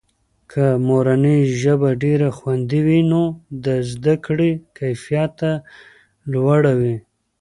که مورنۍ ژبه ډېره خوندي وي، نو د زده کړې کیفیته لوړه وي.